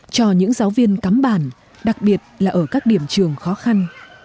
cho những giáo viên cắm bản đặc biệt là ở các điểm trường khó khăn